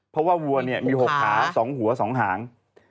เพราะว่าวัวมี๖หาง๒หัว๒หาง